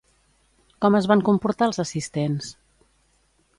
Com es van comportar els assistents?